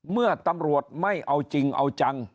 เมื่อตำรวจไม่เอาจริงเอาจัง